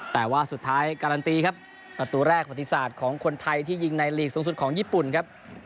แต่ว่าสุดท้ายการันตีครับประตูแรกประติศาสตร์ของคนไทยที่ยิงในหลีกสูงสุดของญี่ปุ่นครับ